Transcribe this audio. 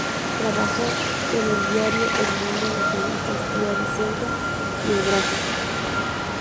Trabajó en el diario El Mundo, las revistas Tía Vicenta y El Gráfico.